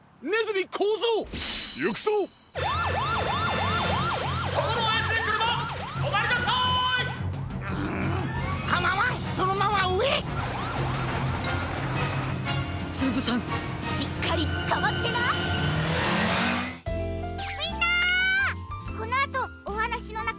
みんな！